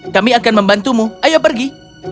kami akan membantumu ayo pergi